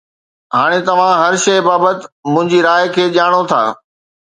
هاڻي توهان هر شيء بابت منهنجي راء کي ڄاڻو ٿا